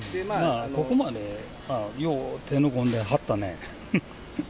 ここまで、よう手の込んだの貼ったね。